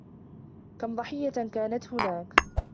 كم ضحية كانت هناك